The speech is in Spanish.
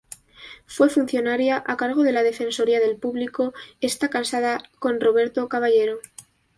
Fue funcionaria a cargo de la Defensoría del Público, Está casada con Roberto Caballero.